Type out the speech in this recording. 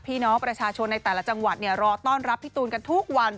พี่น้องประชาชนในแต่ละจังหวัดรอต้อนรับพี่ตูนกันทุกวัน